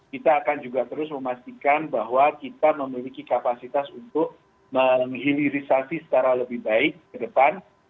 kita akan juga terus memastikan bahwa kita memiliki kapasitas untuk menghilirisasi secara lebih baik ke depan